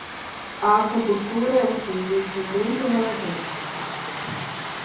A acupuntura é um serviço muito relevante.